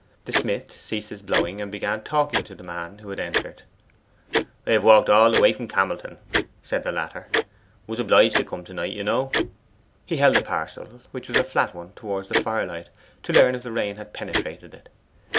The smith ceased his blowing, and began talking to the man who had entered. 'I have walked all the way from Camelton,' said the latter. 'Was obliged to come to night, you know.' He held the parcel, which was a flat one, towards the firelight, to learn if the rain had penetrated it.